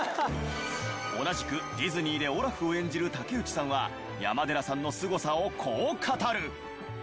同じくディズニーでオラフを演じる武内さんは山寺さんのスゴさをこう語る。